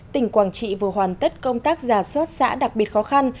tỉnh quảng trị vừa hoàn tất công tác giả soát xã đặc biệt khó khăn